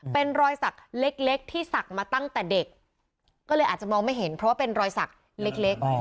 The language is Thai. เป็นรอยสักเล็กที่ศักดิ์มาตั้งแต่เด็กก็เลยอาจจะมองไม่เห็นเพราะว่าเป็นรอยสักเล็ก